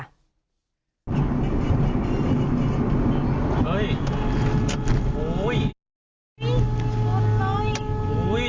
เฮ้ยโอ้ย